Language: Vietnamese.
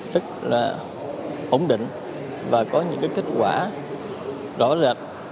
tức là ổn định và có những kết quả rõ rạch